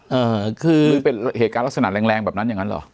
เออคือมันเป็นเหตุการณ์ลักษณะแรงแรงแบบนั้นอย่างนั้นเหรอ